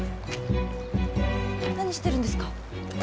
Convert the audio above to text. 何してるんですか？